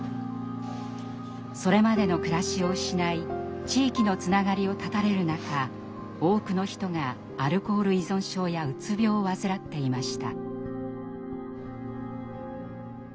それまでの暮らしを失い地域のつながりを断たれる中多くの人がアルコール依存症やうつ病を患っていました。